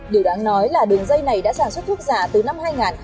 điều đáng nói là đường dây này đã sản xuất thuốc giả từ năm hai nghìn một mươi tám